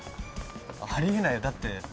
あり得ないよだって。